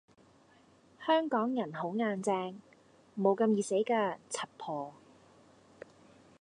香港人好硬淨，無咁易死架，柒婆